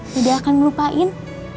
dede akan ngelupain